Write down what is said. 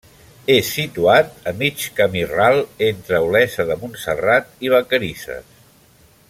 És situat a mig camí ral entre Olesa de Montserrat i Vacarisses.